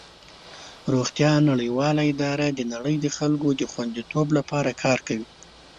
روغتیا نړیواله اداره د نړۍ د خلکو د خوندیتوب لپاره کار کوي.